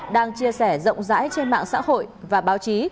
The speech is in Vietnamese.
đang chia sẻ rộng rãi trên mạng xã hội và báo chí